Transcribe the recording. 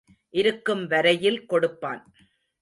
இருக்கும் வரையில் கொடுப்பான்.